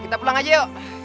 kita pulang aja yuk